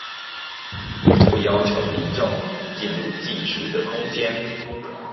不要求民眾進入技術的空間